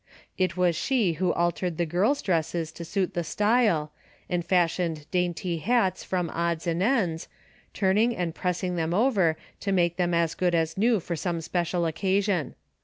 It was she who altered the girls' dresses to suit the style, and fash ioned dainty hats from odds and ends, turning and pressing them over to make them as good as new for some special occasion.